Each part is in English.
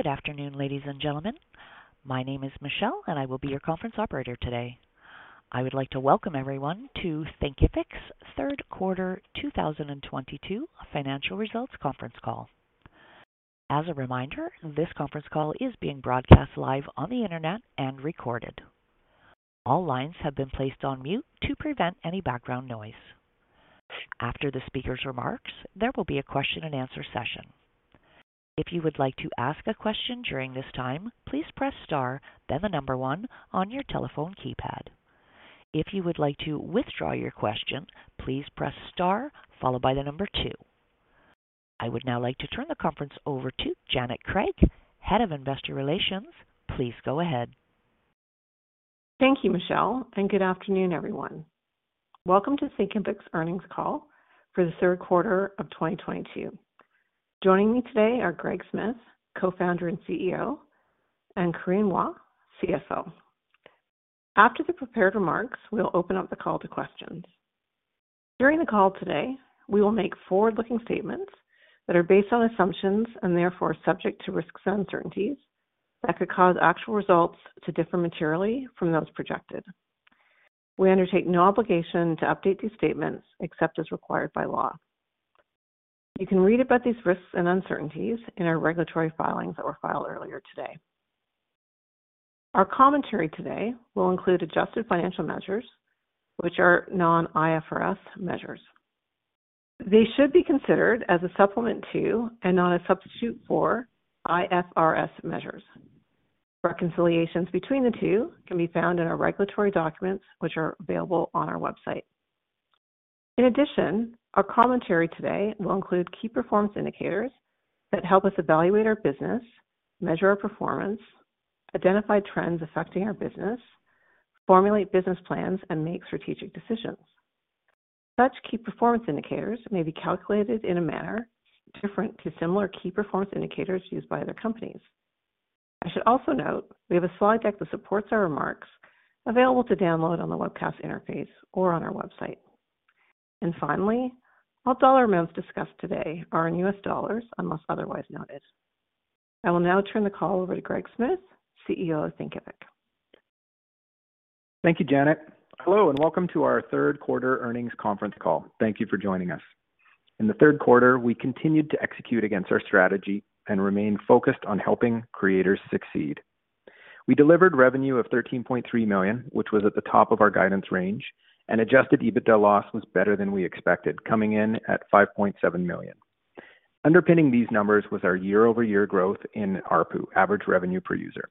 Good afternoon, ladies and gentlemen. My name is Michelle, and I will be your conference operator today. I would like to welcome everyone to Thinkific Third Quarter 2022 Financial Results Conference Call. As a reminder, this conference call is being broadcast live on the Internet and recorded. All lines have been placed on mute to prevent any background noise. After the speaker's remarks, there will be a question-and-answer session. If you would like to ask a question during this time, please press star, then the number one on your telephone keypad. If you would like to withdraw your question, please press star followed by the number two. I would now like to turn the conference over to Janet Craig, Head of Investor Relations. Please go ahead. Thank you, Michelle, and good afternoon, everyone. Welcome to Thinkific Earnings Call for the third quarter of 2022. Joining me today are Greg Smith, Co-Founder and CEO, and Corinne Hua, CFO. After the prepared remarks, we'll open up the call to questions. During the call today, we will make forward-looking statements that are based on assumptions and therefore subject to risks and uncertainties that could cause actual results to differ materially from those projected. We undertake no obligation to update these statements except as required by law. You can read about these risks and uncertainties in our regulatory filings that were filed earlier today. Our commentary today will include adjusted financial measures, which are non-IFRS measures. They should be considered as a supplement to and not a substitute for IFRS measures. Reconciliations between the two can be found in our regulatory documents, which are available on our website. In addition, our commentary today will include key performance indicators that help us evaluate our business, measure our performance, identify trends affecting our business, formulate business plans, and make strategic decisions. Such key performance indicators may be calculated in a manner different from similar key performance indicators used by other companies. I should also note we have a slide deck that supports our remarks available to download on the webcast interface or on our website. Finally, all dollar amounts discussed today are in U.S. dollars, unless otherwise noted. I will now turn the call over to Greg Smith, CEO of Thinkific. Thank you, Janet. Hello, and welcome to our third quarter earnings conference call. Thank you for joining us. In the third quarter, we continued to execute against our strategy and remain focused on helping creators succeed. We delivered revenue of $13.3 million, which was at the top of our guidance range, and adjusted EBITDA loss was better than we expected, coming in at $5.7 million. Underpinning these numbers was our year-over-year growth in ARPU, average revenue per user,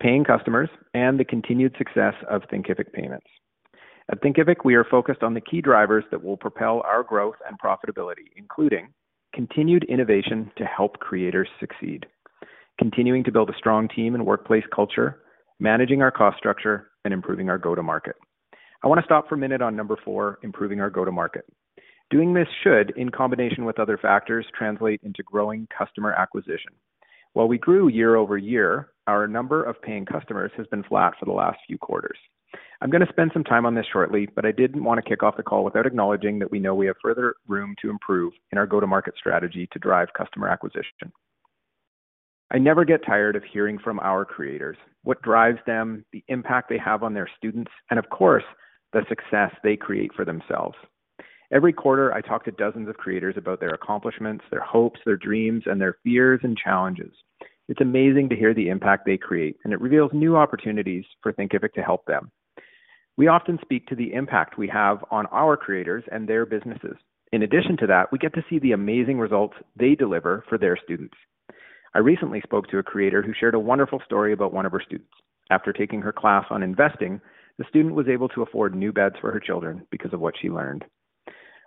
paying customers, and the continued success of Thinkific Payments. At Thinkific, we are focused on the key drivers that will propel our growth and profitability, including continued innovation to help creators succeed, continuing to build a strong team and workplace culture, managing our cost structure, and improving our go-to-market. I want to stop for a minute on number four, improving our go-to-market. Doing this should, in combination with other factors, translate into growing customer acquisition. While we grew year-over-year, our number of paying customers has been flat for the last few quarters. I'm gonna spend some time on this shortly, but I didn't want to kick off the call without acknowledging that we know we have further room to improve in our go-to-market strategy to drive customer acquisition. I never get tired of hearing from our creators, what drives them, the impact they have on their students, and of course, the success they create for themselves. Every quarter, I talk to dozens of creators about their accomplishments, their hopes, their dreams, and their fears and challenges. It's amazing to hear the impact they create, and it reveals new opportunities for Thinkific to help them. We often speak to the impact we have on our creators and their businesses. In addition to that, we get to see the amazing results they deliver for their students. I recently spoke to a creator who shared a wonderful story about one of her students. After taking her class on investing, the student was able to afford new beds for her children because of what she learned.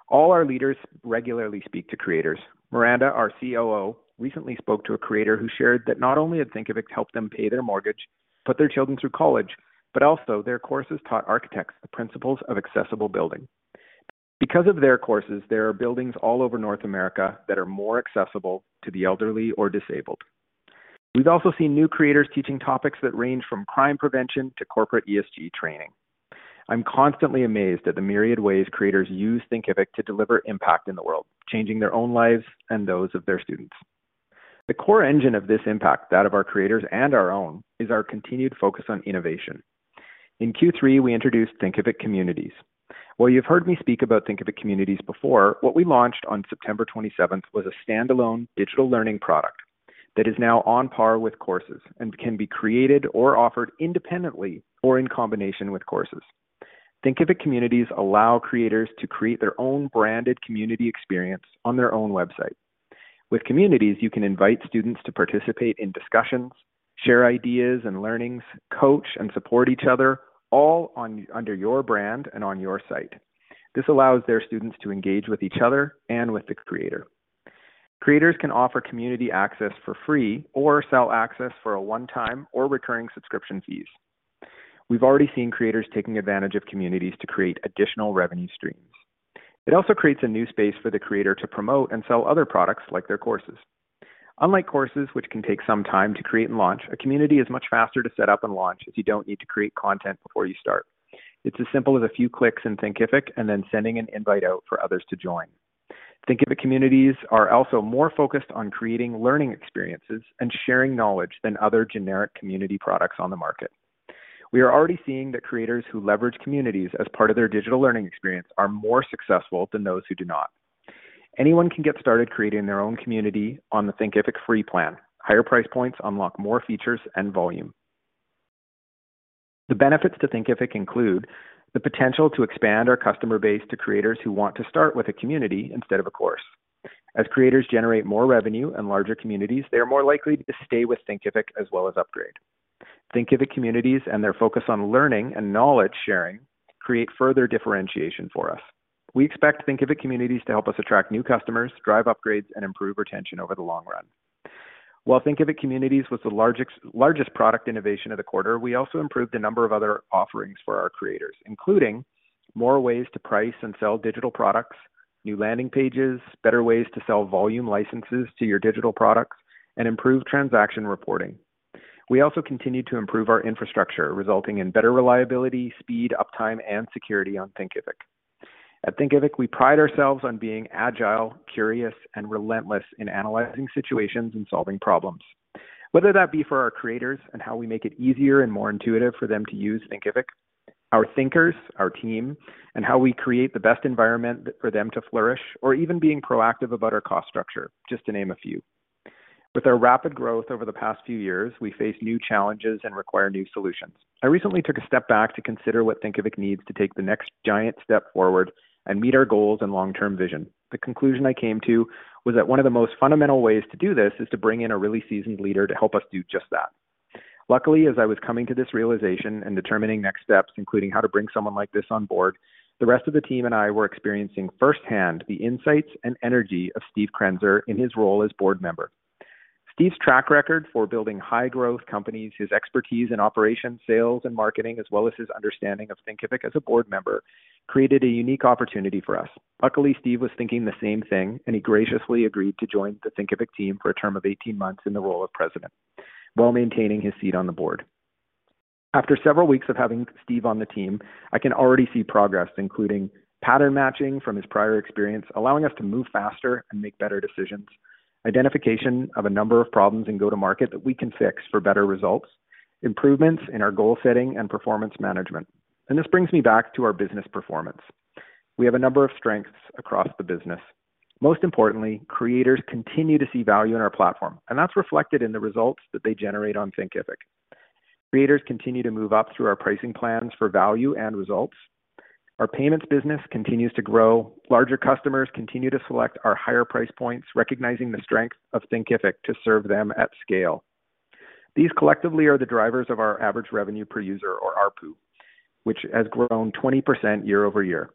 All our leaders regularly speak to creators. Miranda, our COO, recently spoke to a creator who shared that not only had Thinkific helped them pay their mortgage, put their children through college, but also their courses taught architects the principles of accessible building. Because of their courses, there are buildings all over North America that are more accessible to the elderly or disabled. We've also seen new creators teaching topics that range from crime prevention to corporate ESG training. I'm constantly amazed at the myriad ways creators use Thinkific to deliver impact in the world, changing their own lives and those of their students. The core engine of this impact, that of our creators and our own, is our continued focus on innovation. In Q3, we introduced Thinkific Communities. While you've heard me speak about Thinkific Communities before, what we launched on September 27th was a standalone digital learning product that is now on par with courses and can be created or offered independently or in combination with courses. Thinkific Communities allow creators to create their own branded community experience on their own website. With Communities, you can invite students to participate in discussions, share ideas and learnings, coach and support each other, all under your brand and on your site. This allows their students to engage with each other and with the creator. Creators can offer community access for free or sell access for a one-time or recurring subscription fees. We've already seen creators taking advantage of communities to create additional revenue streams. It also creates a new space for the creator to promote and sell other products like their courses. Unlike courses, which can take some time to create and launch, a community is much faster to set up and launch as you don't need to create content before you start. It's as simple as a few clicks in Thinkific and then sending an invite out for others to join. Thinkific Communities are also more focused on creating learning experiences and sharing knowledge than other generic community products on the market. We are already seeing that creators who leverage communities as part of their digital learning experience are more successful than those who do not. Anyone can get started creating their own community on the Thinkific free plan. Higher price points unlock more features and volume. The benefits to Thinkific include the potential to expand our customer base to creators who want to start with a community instead of a course. As creators generate more revenue and larger communities, they are more likely to stay with Thinkific as well as upgrade. Thinkific Communities and their focus on learning and knowledge sharing create further differentiation for us. We expect Thinkific Communities to help us attract new customers, drive upgrades, and improve retention over the long run. While Thinkific Communities was the largest product innovation of the quarter, we also improved a number of other offerings for our creators, including more ways to price and sell digital products, new landing pages, better ways to sell volume licenses to your digital products, and improved transaction reporting. We also continued to improve our infrastructure, resulting in better reliability, speed, uptime, and security on Thinkific. At Thinkific, we pride ourselves on being agile, curious, and relentless in analyzing situations and solving problems. Whether that be for our creators and how we make it easier and more intuitive for them to use Thinkific, our thinkers, our team, and how we create the best environment for them to flourish, or even being proactive about our cost structure, just to name a few. With our rapid growth over the past few years, we face new challenges and require new solutions. I recently took a step back to consider what Thinkific needs to take the next giant step forward and meet our goals and long-term vision. The conclusion I came to was that one of the most fundamental ways to do this is to bring in a really seasoned leader to help us do just that. Luckily, as I was coming to this realization and determining next steps, including how to bring someone like this on board, the rest of the team and I were experiencing firsthand the insights and energy of Steve Krenzer in his role as board member. Steve's track record for building high growth companies, his expertise in operations, sales, and marketing, as well as his understanding of Thinkific as a board member, created a unique opportunity for us. Luckily, Steve was thinking the same thing, and he graciously agreed to join the Thinkific team for a term of 18 months in the role of president while maintaining his seat on the board. After several weeks of having Steve on the team, I can already see progress, including pattern matching from his prior experience, allowing us to move faster and make better decisions, identification of a number of problems in go-to-market that we can fix for better results, improvements in our goal setting and performance management. This brings me back to our business performance. We have a number of strengths across the business. Most importantly, creators continue to see value in our platform, and that's reflected in the results that they generate on Thinkific. Creators continue to move up through our pricing plans for value and results. Our payments business continues to grow. Larger customers continue to select our higher price points, recognizing the strength of Thinkific to serve them at scale. These collectively are the drivers of our average revenue per user or ARPU, which has grown 20% year-over-year.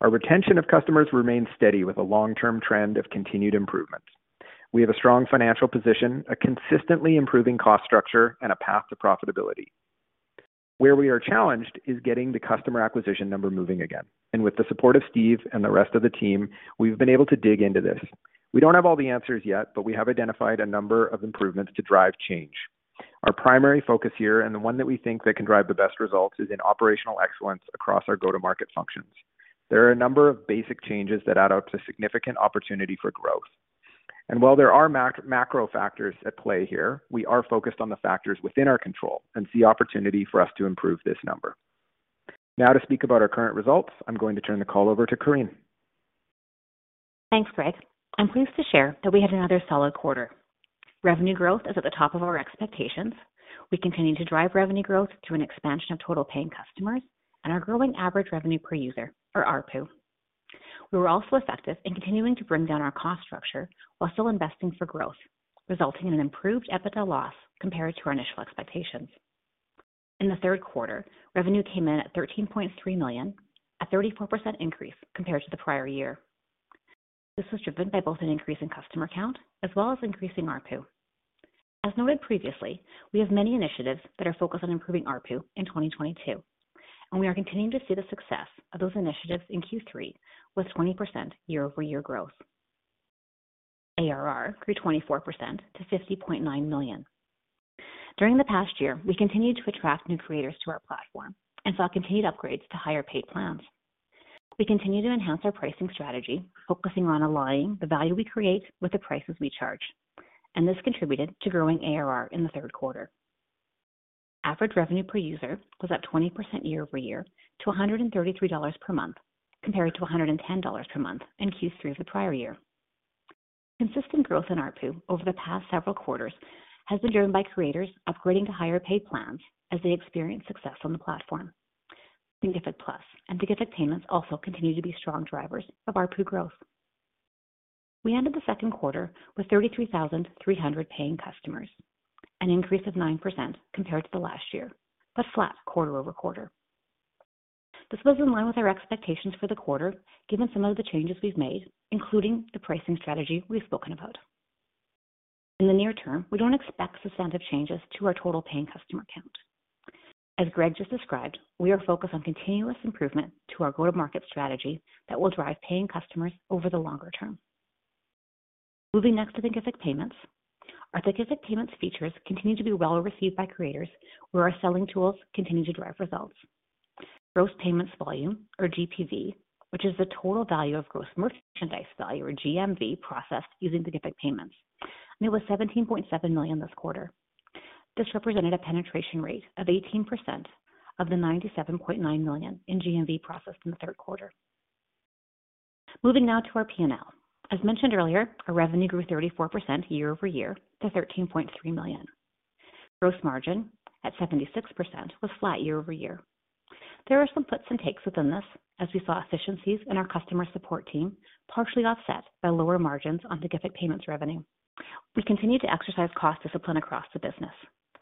Our retention of customers remains steady with a long-term trend of continued improvement. We have a strong financial position, a consistently improving cost structure, and a path to profitability. Where we are challenged is getting the customer acquisition number moving again. With the support of Steve and the rest of the team, we've been able to dig into this. We don't have all the answers yet, but we have identified a number of improvements to drive change. Our primary focus here, and the one that we think that can drive the best results, is in operational excellence across our go-to-market functions. There are a number of basic changes that add up to significant opportunity for growth. While there are macro factors at play here, we are focused on the factors within our control and see opportunity for us to improve this number. Now to speak about our current results, I'm going to turn the call over to Corinne. Thanks, Greg. I'm pleased to share that we had another solid quarter. Revenue growth is at the top of our expectations. We continue to drive revenue growth through an expansion of total paying customers and our growing average revenue per user or ARPU. We were also effective in continuing to bring down our cost structure while still investing for growth, resulting in an improved EBITDA loss compared to our initial expectations. In the third quarter, revenue came in at $13.3 million, a 34% increase compared to the prior year. This was driven by both an increase in customer count as well as increasing ARPU. As noted previously, we have many initiatives that are focused on improving ARPU in 2022, and we are continuing to see the success of those initiatives in Q3 with 20% year-over-year growth. ARR grew 24% to $50.9 million. During the past year, we continued to attract new creators to our platform and saw continued upgrades to higher paid plans. We continue to enhance our pricing strategy, focusing on aligning the value we create with the prices we charge, and this contributed to growing ARR in the third quarter. Average revenue per user was up 20% year-over-year to $133 per month, compared to $110 per month in Q3 of the prior year. Consistent growth in ARPU over the past several quarters has been driven by creators upgrading to higher paid plans as they experience success on the platform. Thinkific Plus and Thinkific Payments also continue to be strong drivers of ARPU growth. We ended the second quarter with 33,300 paying customers, an increase of 9% compared to the last year, but flat quarter-over-quarter. This was in line with our expectations for the quarter, given some of the changes we've made, including the pricing strategy we've spoken about. In the near term, we don't expect substantive changes to our total paying customer count. As Greg just described, we are focused on continuous improvement to our go-to-market strategy that will drive paying customers over the longer term. Moving next to Thinkific Payments. Our Thinkific Payments features continue to be well received by creators where our selling tools continue to drive results. Gross payments volume or GPV, which is the total value of gross merchandise value or GMV processed using Thinkific Payments, and it was $17.7 million this quarter. This represented a penetration rate of 18% of the $97.9 million in GMV processed in the third quarter. Moving now to our PNL. As mentioned earlier, our revenue grew 34% year-over-year to $13.3 million. Gross margin at 76% was flat year-over-year. There are some puts and takes within this as we saw efficiencies in our customer support team, partially offset by lower margins on Thinkific Payments revenue. We continue to exercise cost discipline across the business.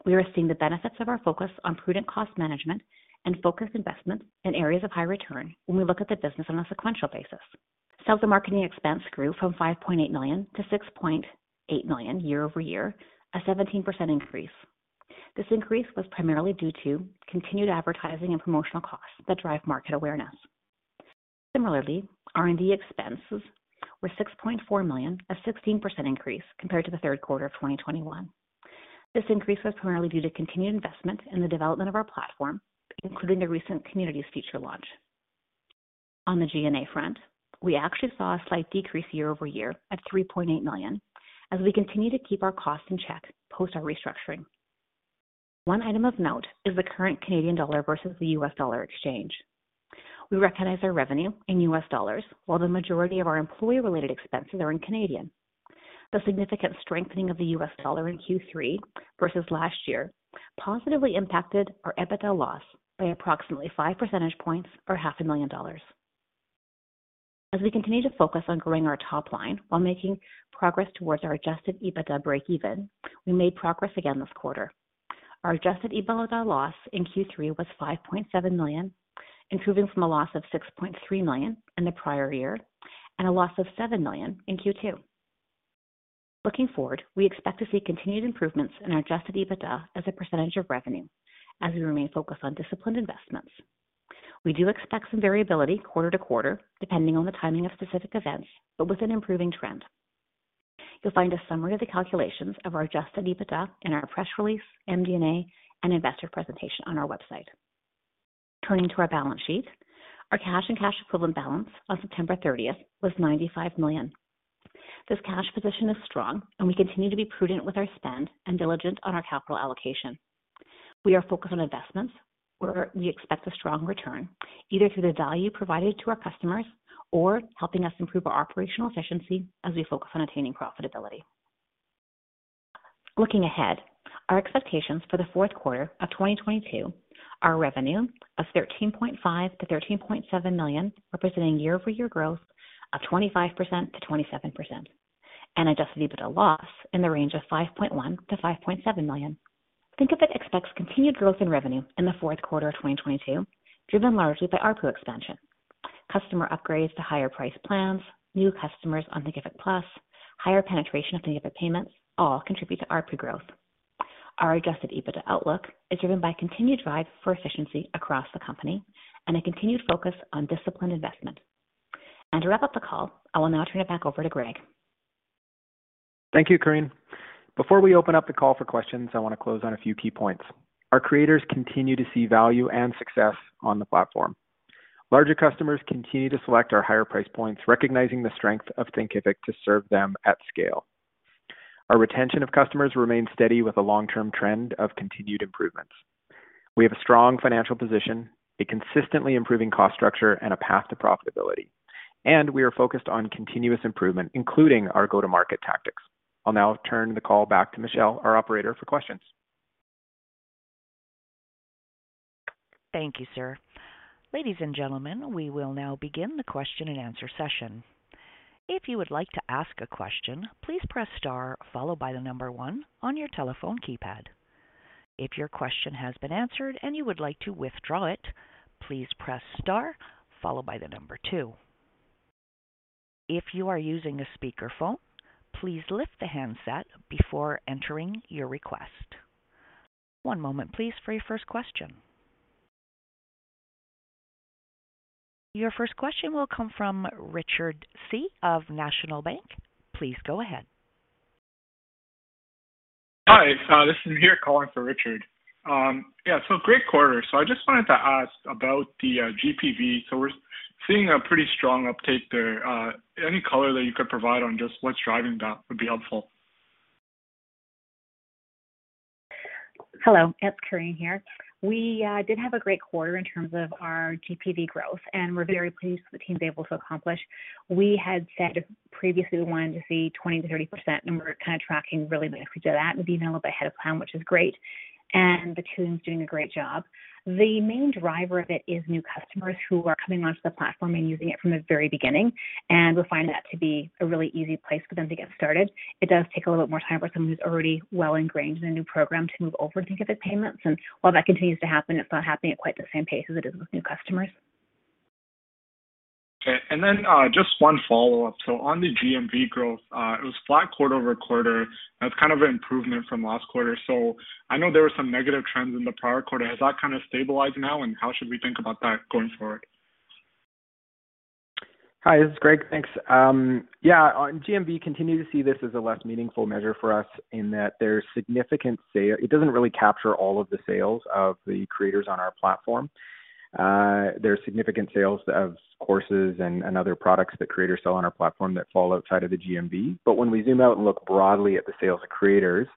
We are seeing the benefits of our focus on prudent cost management and focused investments in areas of high return when we look at the business on a sequential basis. Sales and marketing expense grew from $5.8 million to $6.8 million year-over-year, a 17% increase. This increase was primarily due to continued advertising and promotional costs that drive market awareness. Similarly, R&D expenses were $6.4 million, a 16% increase compared to the third quarter of 2021. This increase was primarily due to continued investment in the development of our platform, including the recent communities feature launch. On the G&A front, we actually saw a slight decrease year over year at $3.8 million as we continue to keep our costs in check post our restructuring. One item of note is the current Canadian dollar versus the US dollar exchange. We recognize our revenue in US dollars while the majority of our employee-related expenses are in Canadian. The significant strengthening of the US dollar in Q3 versus last year positively impacted our EBITDA loss by approximately 5 percentage points or $500,000. As we continue to focus on growing our top line while making progress towards our adjusted EBITDA breakeven, we made progress again this quarter. Our adjusted EBITDA loss in Q3 was $5.7 million, improving from a loss of $6.3 million in the prior year and a loss of $7 million in Q2. Looking forward, we expect to see continued improvements in our adjusted EBITDA as a percentage of revenue as we remain focused on disciplined investments. We do expect some variability quarter to quarter depending on the timing of specific events, but with an improving trend. You'll find a summary of the calculations of our adjusted EBITDA in our press release, MD&A, and investor presentation on our website. Turning to our balance sheet, our cash and cash equivalent balance on September 30th was $95 million. This cash position is strong and we continue to be prudent with our spend and diligent on our capital allocation. We are focused on investments where we expect a strong return, either through the value provided to our customers or helping us improve our operational efficiency as we focus on attaining profitability. Looking ahead, our expectations for the fourth quarter of 2022 are revenue of $13.5 million-$13.7 million, representing year-over-year growth of 25%-27%, and adjusted EBITDA loss in the range of $5.1 million-$5.7 million. Thinkific expects continued growth in revenue in the fourth quarter of 2022, driven largely by ARPU expansion. Customer upgrades to higher price plans, new customers on Thinkific Plus, higher penetration of Thinkific Payments all contribute to ARPU growth. Our adjusted EBITDA outlook is driven by continued drive for efficiency across the company and a continued focus on disciplined investment. To wrap up the call, I will now turn it back over to Greg. Thank you, Corinne. Before we open up the call for questions, I want to close on a few key points. Our creators continue to see value and success on the platform. Larger customers continue to select our higher price points, recognizing the strength of Thinkific to serve them at scale. Our retention of customers remains steady with a long-term trend of continued improvements. We have a strong financial position, a consistently improving cost structure, and a path to profitability. We are focused on continuous improvement, including our go-to-market tactics. I'll now turn the call back to Michelle, our operator, for questions. Thank you, sir. Ladies and gentlemen, we will now begin the question and answer session. If you would like to ask a question, please press star followed by one on your telephone keypad. If your question has been answered and you would like to withdraw it, please press star followed by two. If you are using a speakerphone, please lift the handset before entering your request. One moment please for your first question. Your first question will come from Richard Tse of National Bank Financial. Please go ahead. Hi, this is Amir calling for Richard. Great quarter. I just wanted to ask about the GPV, we're seeing a pretty strong uptake there. Any color that you could provide on just what's driving that would be helpful? Hello. It's Corinne here. We did have a great quarter in terms of our GPV growth, and we're very pleased with what the team's able to accomplish. We had said previously we wanted to see 20%-30%, and we're kind of tracking really if we do that, it would be a little bit ahead of plan, which is great. The team's doing a great job. The main driver of it is new customers who are coming onto the platform and using it from the very beginning, and we find that to be a really easy place for them to get started. It does take a little bit more time for someone who's already well ingrained in a new program to move over to Thinkific Payments. While that continues to happen, it's not happening at quite the same pace as it is with new customers. Okay. Just one follow-up. On the GMV growth, it was flat quarter-over-quarter. That's kind of an improvement from last quarter. I know there were some negative trends in the prior quarter. Has that kind of stabilized now, and how should we think about that going forward? Hi, this is Greg. Thanks. Yeah, on GMV, continue to see this as a less meaningful measure for us in that there's significant sales. It doesn't really capture all of the sales of the creators on our platform. There are significant sales of courses and other products that creators sell on our platform that fall outside of the GMV. When we zoom out and look broadly at the sales of creators,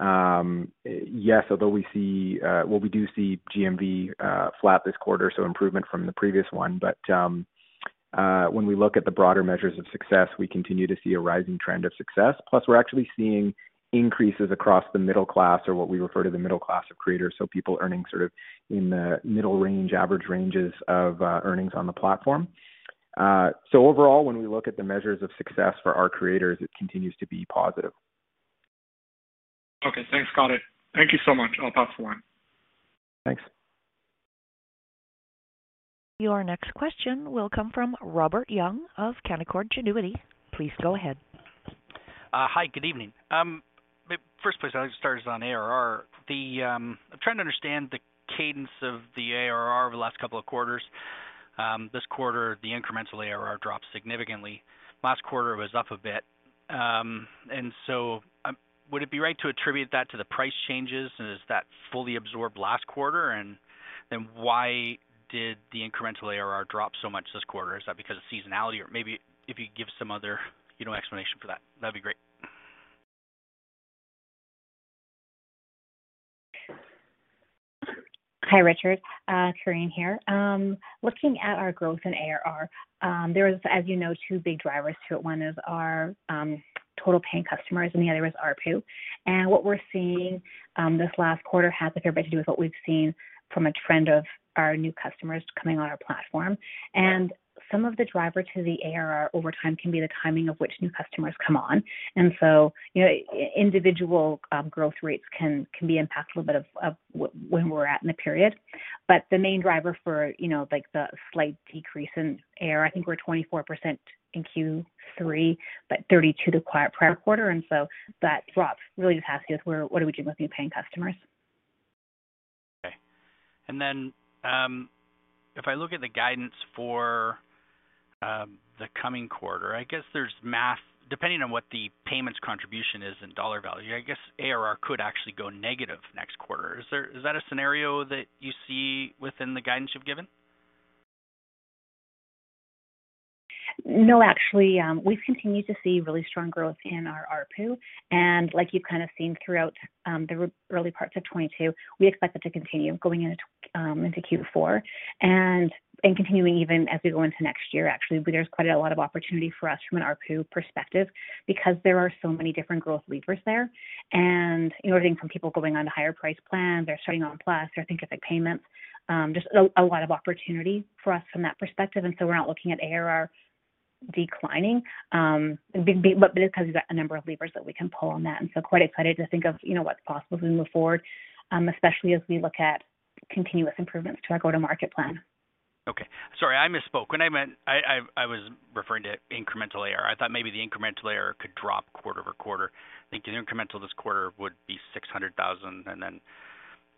yes, although we see. Well, we do see GMV flat this quarter, so improvement from the previous one. When we look at the broader measures of success, we continue to see a rising trend of success. Plus, we're actually seeing increases across the middle class or what we refer to the middle class of creators, so people earning sort of in the middle range, average ranges of, earnings on the platform. Overall, when we look at the measures of success for our creators, it continues to be positive. Okay, thanks. Got it. Thank you so much. I'll pass the line. Thanks. Your next question will come from Robert Young of Canaccord Genuity. Please go ahead. Hi, good evening. First place I'd like to start is on ARR. I'm trying to understand the cadence of the ARR over the last couple of quarters. This quarter, the incremental ARR dropped significantly. Last quarter, it was up a bit. Would it be right to attribute that to the price changes, and is that fully absorbed last quarter? Why did the incremental ARR drop so much this quarter? Is that because of seasonality? Or maybe if you give some other, you know, explanation for that'd be great. Hi, Richard. Corinne here. Looking at our growth in ARR, there is, as you know, two big drivers to it. One is our total paying customers, and the other is ARPU. What we're seeing this last quarter has everything to do with what we've seen from a trend of our new customers coming on our platform. Some of the driver to the ARR over time can be the timing of which new customers come on. You know, individual growth rates can be impactful a bit of when we're at in the period. The main driver for, you know, like the slight decrease in ARR, I think we're 24% in Q3, but 32% in the prior quarter. That drop really just has to do with what are we doing with new paying customers. Okay. If I look at the guidance for the coming quarter, I guess there's math. Depending on what the payments contribution is in dollar value, I guess ARR could actually go negative next quarter. Is that a scenario that you see within the guidance you've given? No, actually. We've continued to see really strong growth in our ARPU. Like you've kind of seen throughout the early parts of 2022, we expect it to continue going into Q4. Continuing even as we go into next year, actually, there's quite a lot of opportunity for us from an ARPU perspective because there are so many different growth levers there. You know, everything from people going on to higher price plans or starting on Plus or Thinkific Payments, just a lot of opportunity for us from that perspective. So we're not looking at ARR declining, but because we've got a number of levers that we can pull on that. Quite excited to think of, you know, what's possible as we move forward, especially as we look at continuous improvements to our go-to-market plan. Okay. Sorry, I misspoke. I was referring to incremental ARR. I thought maybe the incremental ARR could drop quarter over quarter. I think the incremental this quarter would be $600,000.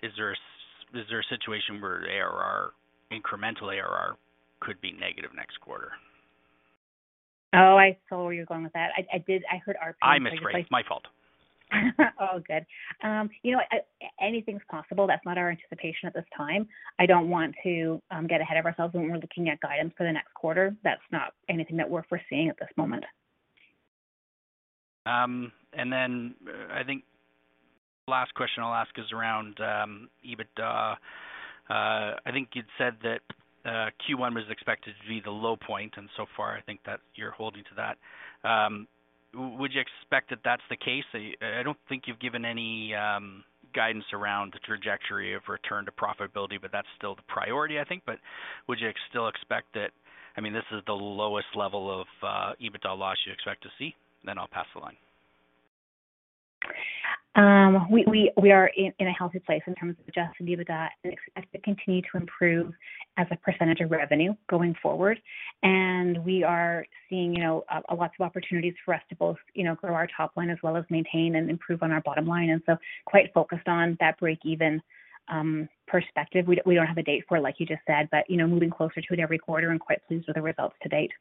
Is there a situation where ARR, incremental ARR could be negative next quarter? Oh, I saw where you're going with that. I did. I heard ARPU. I misread. My fault. Oh, good. You know what? Anything's possible. That's not our anticipation at this time. I don't want to get ahead of ourselves when we're looking at guidance for the next quarter. That's not anything that we're foreseeing at this moment. I think last question I'll ask is around EBITDA. I think you'd said that Q1 was expected to be the low point, and so far, I think that you're holding to that. Would you expect that that's the case? I don't think you've given any guidance around the trajectory of return to profitability, but that's still the priority, I think. Would you still expect that, I mean, this is the lowest level of EBITDA loss you expect to see? I'll pass the line. We are in a healthy place in terms of adjusted EBITDA and expect to continue to improve as a percentage of revenue going forward. We are seeing, you know, lots of opportunities for us to both, you know, grow our top line as well as maintain and improve on our bottom line. We are quite focused on that break even perspective. We don't have a date for it, like you just said, but, you know, moving closer to it every quarter and quite pleased with the results to date.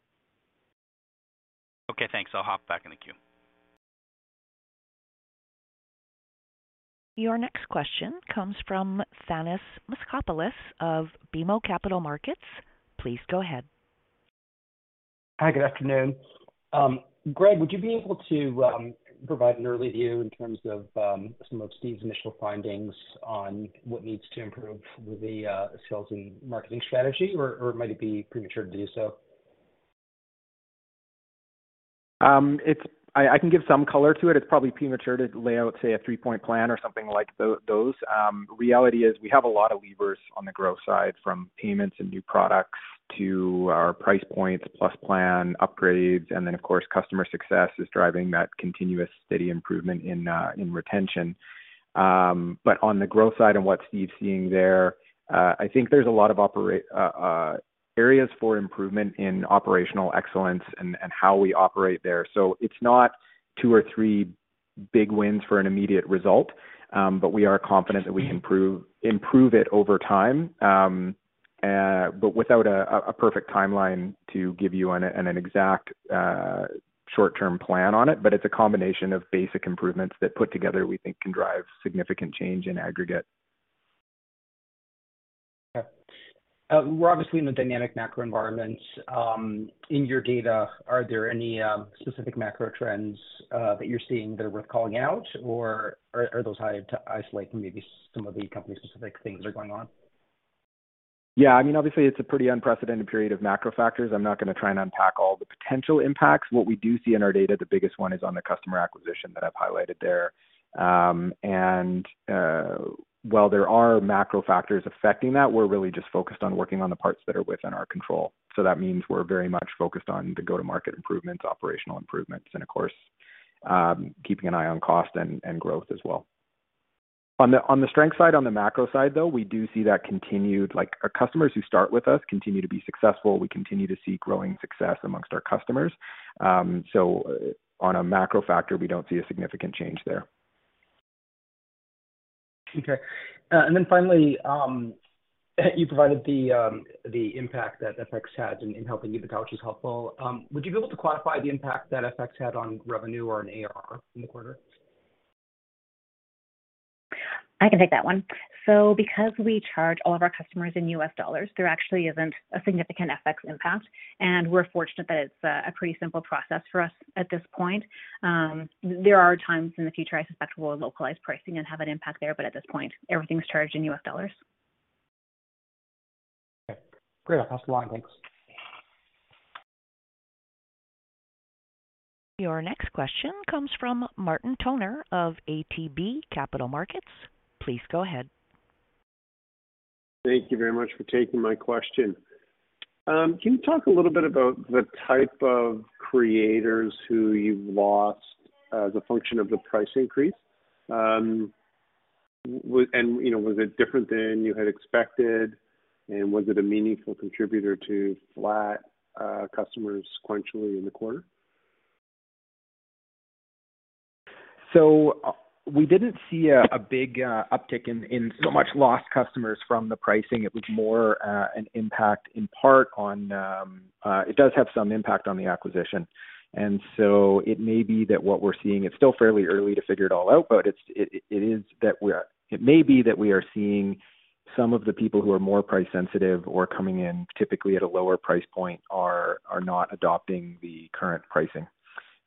Okay, thanks. I'll hop back in the queue. Your next question comes from Thanos Moschopoulos of BMO Capital Markets. Please go ahead. Hi, good afternoon. Greg, would you be able to provide an early view in terms of some of Steve's initial findings on what needs to improve with the sales and marketing strategy, or might it be premature to do so? I can give some color to it. It's probably premature to lay out, say, a three-point plan or something like those. Reality is we have a lot of levers on the growth side, from Payments and new products to our price points, Plus plan upgrades, and then, of course, customer success is driving that continuous steady improvement in retention. On the growth side and what Steve's seeing there, I think there's a lot of areas for improvement in operational excellence and how we operate there. It's not two or three big wins for an immediate result. We are confident that we can improve it over time, but without a perfect timeline to give you on an exact short-term plan on it. It's a combination of basic improvements that put together we think can drive significant change in aggregate. Okay. We're obviously in the dynamic macro environment. In your data, are there any specific macro trends that you're seeing that are worth calling out, or are those hard to isolate from maybe some of the company-specific things that are going on? Yeah. I mean, obviously it's a pretty unprecedented period of macro factors. I'm not gonna try and unpack all the potential impacts. What we do see in our data, the biggest one is on the customer acquisition that I've highlighted there. While there are macro factors affecting that, we're really just focused on working on the parts that are within our control. That means we're very much focused on the go-to-market improvements, operational improvements, and of course, keeping an eye on cost and growth as well. On the strength side, on the macro side, though, we do see that continued like our customers who start with us continue to be successful. We continue to see growing success amongst our customers. On a macro factor, we don't see a significant change there. Okay. Finally, you provided the impact that FX had in helping you, which is helpful. Would you be able to quantify the impact that FX had on revenue or on AR in the quarter? I can take that one. Because we charge all of our customers in US dollars, there actually isn't a significant FX impact, and we're fortunate that it's a pretty simple process for us at this point. There are times in the future I suspect we'll localize pricing and have an impact there, but at this point, everything's charged in US dollars. Okay. Great, that's the line. Thanks. Your next question comes from Martin Toner of ATB Capital Markets. Please go ahead. Thank you very much for taking my question. Can you talk a little bit about the type of creators who you've lost as a function of the price increase? You know, was it different than you had expected? Was it a meaningful contributor to flat customers sequentially in the quarter? We didn't see a big uptick in so many lost customers from the pricing. It was more an impact in part on the acquisition. It may be that what we're seeing, it's still fairly early to figure it all out, but it may be that we are seeing some of the people who are more price sensitive or coming in typically at a lower price point are not adopting the current pricing.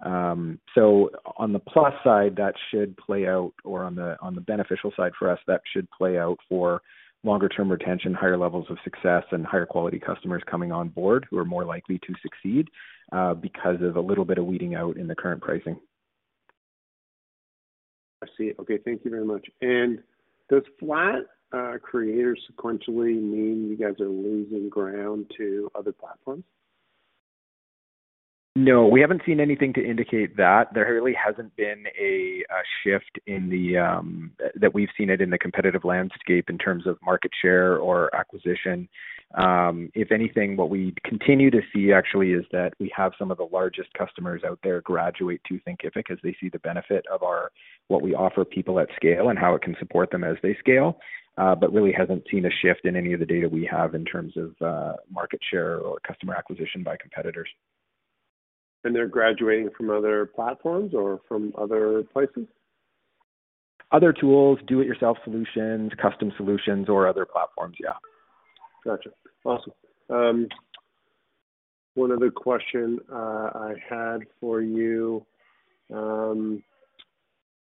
On the plus side, that should play out, or on the beneficial side for us, that should play out for longer term retention, higher levels of success, and higher quality customers coming on board who are more likely to succeed, because of a little bit of weeding out in the current pricing. I see. Okay. Thank you very much. Does flat creators sequentially mean you guys are losing ground to other platforms? No, we haven't seen anything to indicate that. There really hasn't been a shift in the that we've seen it in the competitive landscape in terms of market share or acquisition. If anything, what we continue to see actually is that we have some of the largest customers out there graduate to Thinkific as they see the benefit of what we offer people at scale and how it can support them as they scale. Really hasn't seen a shift in any of the data we have in terms of market share or customer acquisition by competitors. They're graduating from other platforms or from other places? Other tools, do it yourself solutions, custom solutions, or other platforms. Yeah. Gotcha. Awesome. One other question I had for you. Can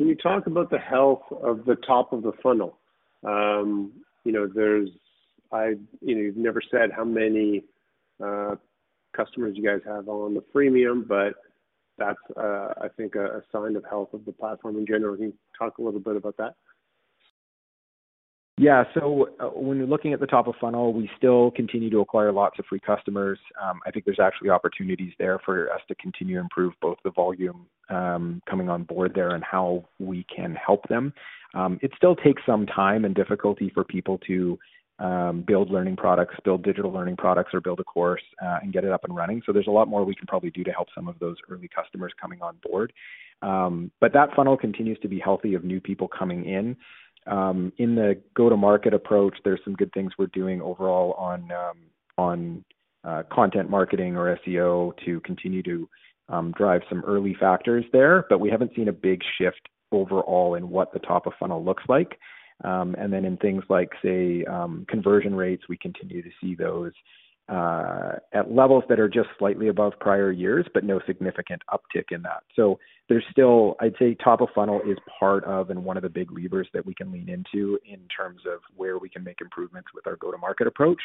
you talk about the health of the top of the funnel? You know, you've never said how many customers you guys have on the freemium, but that's, I think a sign of health of the platform in general. Can you talk a little bit about that? Yeah. When you're looking at the top of funnel, we still continue to acquire lots of free customers. I think there's actually opportunities there for us to continue to improve both the volume coming on board there and how we can help them. It still takes some time and difficulty for people to build digital learning products, or build a course and get it up and running. There's a lot more we can probably do to help some of those early customers coming on board. That funnel continues to be healthy of new people coming in. In the go-to-market approach, there's some good things we're doing overall on content marketing or SEO to continue to drive some early factors there. We haven't seen a big shift overall in what the top of funnel looks like. In things like, say, conversion rates, we continue to see those at levels that are just slightly above prior years, but no significant uptick in that. There's still, I'd say, top of funnel is part of and one of the big levers that we can lean into in terms of where we can make improvements with our go-to-market approach.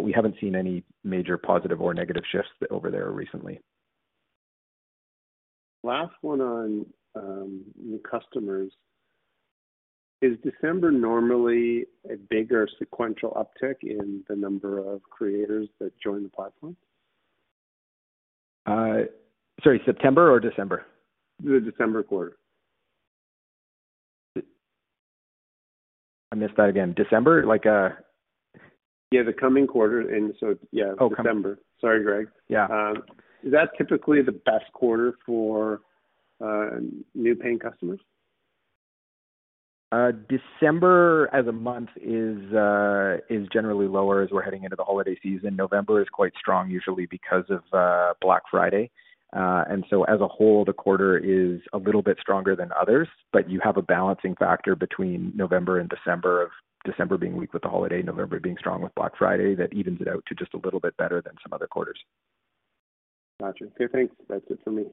We haven't seen any major positive or negative shifts over there recently. Last one on new customers. Is December normally a bigger sequential uptick in the number of creators that join the platform? Sorry, September or December? The December quarter. I missed that again. December? Like, Yeah, the coming quarter and so yeah, December. Okay. Sorry, Greg. Yeah. Is that typically the best quarter for new paying customers? December as a month is generally lower as we're heading into the holiday season. November is quite strong usually because of Black Friday. As a whole the quarter is a little bit stronger than others, but you have a balancing factor between November and December of December being weak with the holiday, November being strong with Black Friday that evens it out to just a little bit better than some other quarters. Gotcha. Okay, thanks. That's it for me.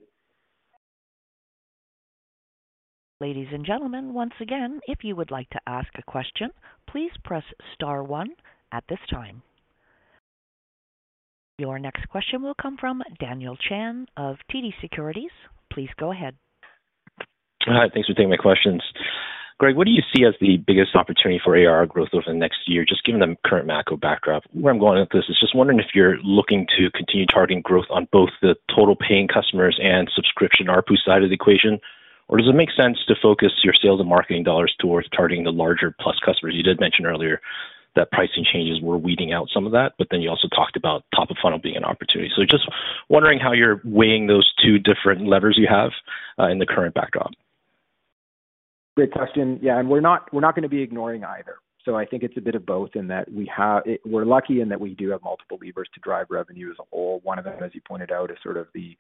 Ladies and gentlemen, once again, if you would like to ask a question, please press star one at this time. Your next question will come from Daniel Chan of TD Securities. Please go ahead. Hi, thanks for taking my questions. Greg, what do you see as the biggest opportunity for ARR growth over the next year? Just given the current macro backdrop. Where I'm going with this is just wondering if you're looking to continue targeting growth on both the total paying customers and subscription ARPU side of the equation. Or does it make sense to focus your sales and marketing dollars towards targeting the larger plus customers? You did mention earlier that pricing changes were weeding out some of that, but then you also talked about top of funnel being an opportunity. Just wondering how you're weighing those two different levers you have in the current backdrop. Great question. Yeah, we're not gonna be ignoring either. I think it's a bit of both in that we're lucky in that we do have multiple levers to drive revenue as a whole. One of them, as you pointed out, is sort of the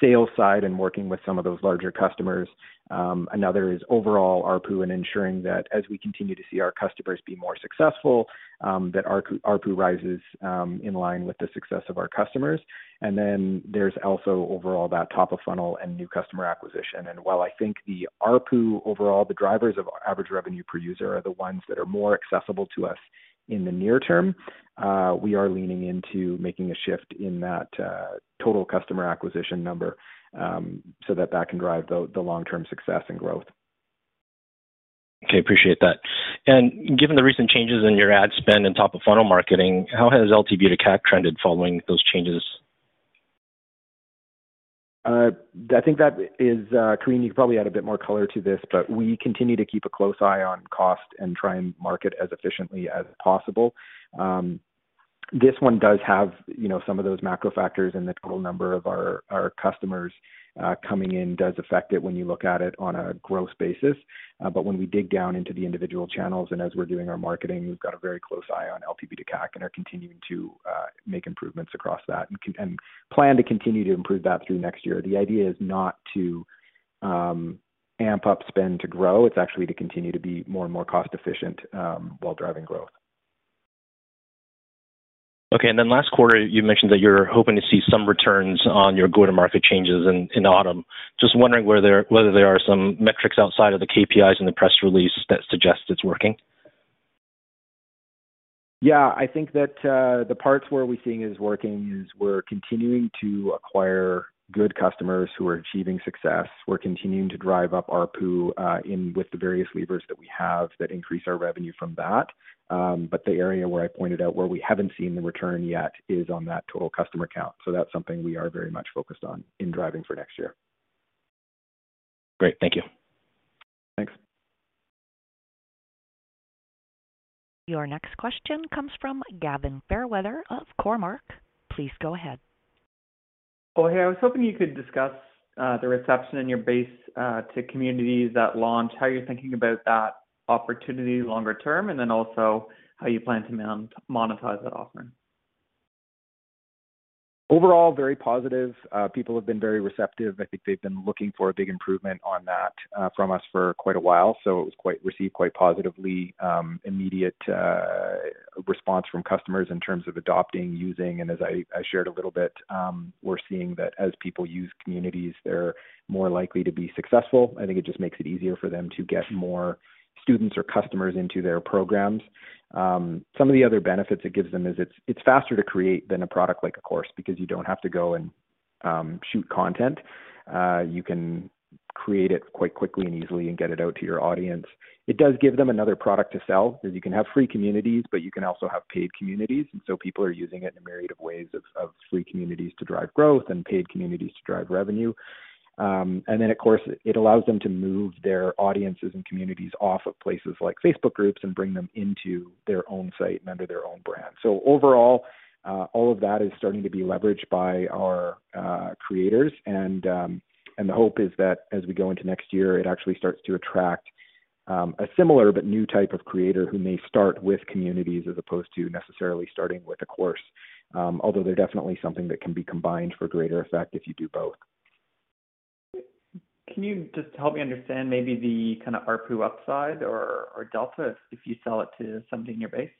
sales side and working with some of those larger customers. Another is overall ARPU and ensuring that as we continue to see our customers be more successful, that ARPU rises in line with the success of our customers. Then there's also overall that top of funnel and new customer acquisition. While I think the ARPU overall, the drivers of our average revenue per user are the ones that are more accessible to us in the near term, we are leaning into making a shift in that total customer acquisition number so that that can drive the long-term success and growth. Okay, appreciate that. Given the recent changes in your ad spend and top of funnel marketing, how has LTV to CAC trended following those changes? I think that is, Corinne, you can probably add a bit more color to this, but we continue to keep a close eye on cost and try and market as efficiently as possible. This one does have, you know, some of those macro factors, and the total number of our customers coming in does affect it when you look at it on a gross basis. When we dig down into the individual channels and as we're doing our marketing, we've got a very close eye on LTV to CAC and are continuing to make improvements across that and plan to continue to improve that through next year. The idea is not to amp up spend to grow. It's actually to continue to be more and more cost-efficient while driving growth. Okay. Then last quarter, you mentioned that you're hoping to see some returns on your go-to-market changes in autumn. Just wondering whether there are some metrics outside of the KPIs in the press release that suggest it's working. Yeah. I think that the parts where we're seeing is working is we're continuing to acquire good customers who are achieving success. We're continuing to drive up ARPU with the various levers that we have that increase our revenue from that. The area where I pointed out where we haven't seen the return yet is on that total customer count. That's something we are very much focused on in driving for next year. Great. Thank you. Thanks. Your next question comes from Gavin Fairweather of Cormark. Please go ahead. Oh, hey. I was hoping you could discuss the reception in your base to communities that launch, how you're thinking about that opportunity longer term, and then also how you plan to monetize that offering. Overall, very positive. People have been very receptive. I think they've been looking for a big improvement on that from us for quite a while, so it was quite received positively. Immediate response from customers in terms of adopting, using, and as I shared a little bit, we're seeing that as people use communities, they're more likely to be successful. I think it just makes it easier for them to get more students or customers into their programs. Some of the other benefits it gives them is it's faster to create than a product like a course because you don't have to go and shoot content. You can create it quite quickly and easily and get it out to your audience. It does give them another product to sell 'cause you can have free communities, but you can also have paid communities, and so people are using it in a myriad of ways of free communities to drive growth and paid communities to drive revenue. And then, of course, it allows them to move their audiences and communities off of places like Facebook Groups and bring them into their own site and under their own brand. Overall, all of that is starting to be leveraged by our creators and the hope is that as we go into next year, it actually starts to attract a similar but new type of creator who may start with communities as opposed to necessarily starting with a course. Although they're definitely something that can be combined for greater effect if you do both. Can you just help me understand maybe the kinda ARPU upside or delta if you sell it to something in your base?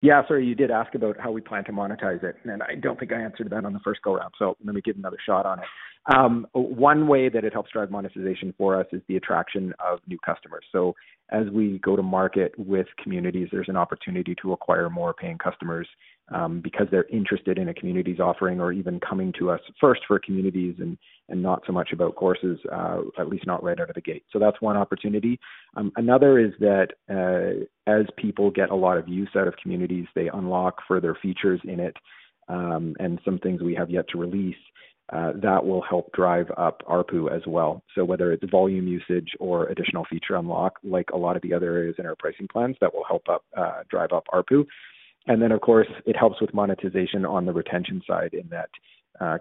Yeah, sorry, you did ask about how we plan to monetize it, and I don't think I answered that on the first go-round, so let me give another shot on it. One way that it helps drive monetization for us is the attraction of new customers. As we go to market with communities, there's an opportunity to acquire more paying customers, because they're interested in a community's offering or even coming to us first for communities and not so much about courses, at least not right out of the gate. That's one opportunity. Another is that, as people get a lot of use out of communities, they unlock further features in it, and some things we have yet to release, that will help drive up ARPU as well. Whether it's volume usage or additional feature unlock, like a lot of the other areas in our pricing plans, that will help us drive up ARPU. Then, of course, it helps with monetization on the retention side in that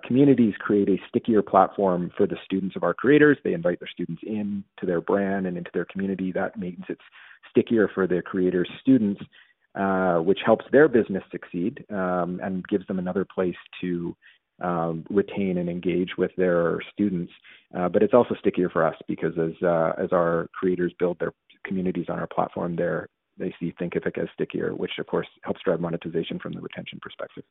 communities create a stickier platform for the students of our creators. They invite their students into their brand and into their community. That means it's stickier for their creators' students, which helps their business succeed and gives them another place to retain and engage with their students. But it's also stickier for us because as our creators build their communities on our platform there, they see Thinkific as stickier, which of course helps drive monetization from the retention perspective.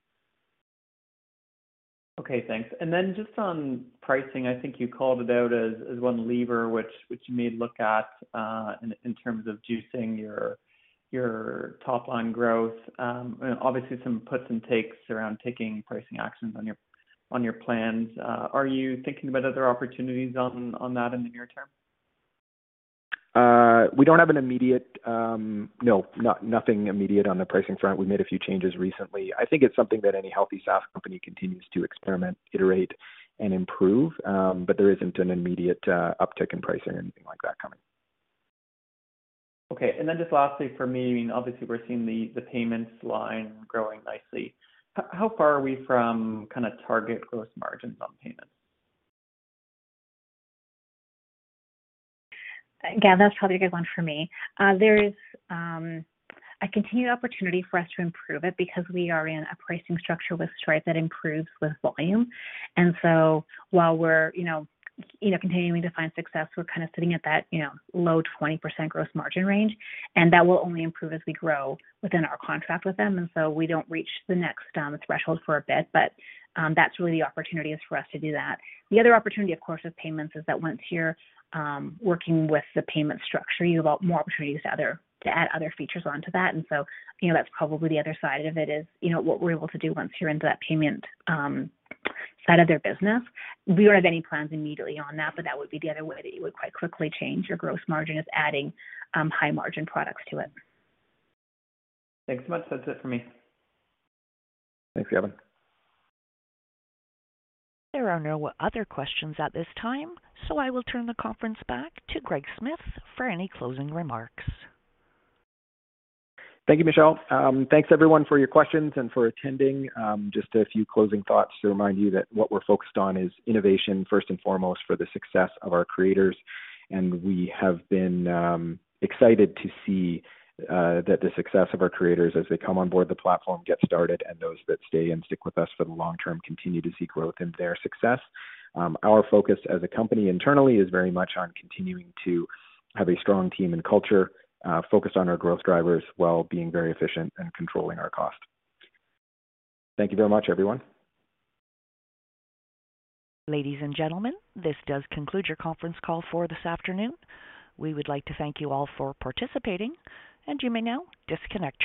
Okay, thanks. Just on pricing, I think you called it out as one lever which you may look at in terms of juicing your top-line growth. Obviously some puts and takes around taking pricing actions on your plans. Are you thinking about other opportunities on that in the near term? Nothing immediate on the pricing front. We made a few changes recently. I think it's something that any healthy SaaS company continues to experiment, iterate, and improve. There isn't an immediate uptick in pricing or anything like that coming. Okay. Just lastly for me, I mean, obviously we're seeing the payments line growing nicely. How far are we from kinda target growth margins on payments? Again, that's probably a good one for me. There is a continued opportunity for us to improve it because we are in a pricing structure with Stripe that improves with volume. While we're, you know, continuing to find success, we're kind of sitting at that, you know, low 20% gross margin range, and that will only improve as we grow within our contract with them. We don't reach the next threshold for a bit, but that's really the opportunity is for us to do that. The other opportunity, of course, with payments is that once you're working with the payment structure, you have a lot more opportunities to add other features onto that. You know, that's probably the other side of it is, you know, what we're able to do once you're into that payment, side of their business. We don't have any plans immediately on that, but that would be the other way that you would quite quickly change your gross margin is adding, high margin products to it. Thanks so much. That's it for me. Thanks, Gavin. There are no other questions at this time, so I will turn the conference back to Greg Smith for any closing remarks. Thank you, Michelle. Thanks everyone for your questions and for attending. Just a few closing thoughts to remind you that what we're focused on is innovation first and foremost for the success of our creators. We have been excited to see that the success of our creators as they come on board the platform, get started, and those that stay and stick with us for the long term continue to see growth in their success. Our focus as a company internally is very much on continuing to have a strong team and culture focused on our growth drivers while being very efficient and controlling our cost. Thank you very much, everyone. Ladies and gentlemen, this does conclude your conference call for this afternoon. We would like to thank you all for participating, and you may now disconnect your lines.